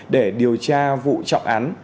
để điều tra vụ trọng án